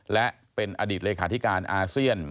และเป็นอดีตเลขาธิการอาเซียน